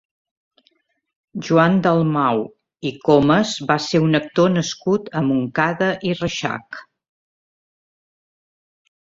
Joan Dalmau i Comas va ser un actor nascut a Montcada i Reixac.